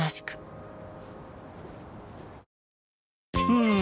うん。